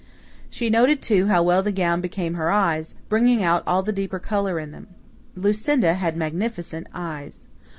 She noted, too, how well the gown became her eyes, bringing out all the deeper colour in them. Lucinda had magnificent eyes.